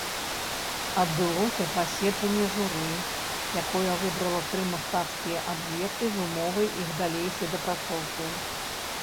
Адбылося паседжанне журы, якое выбрала тры мастацкія аб'екты з умовай іх далейшай дапрацоўкі.